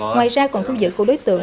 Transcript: ngoài ra còn thu giữ của đối tượng